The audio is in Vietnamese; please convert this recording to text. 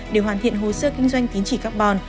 để hoàn thiện hồ sơ kinh doanh tính trị carbon